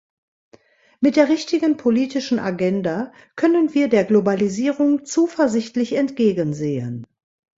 Mit der richtigen politischen Agenda können wir der Globalisierung zuversichtlich entgegensehen.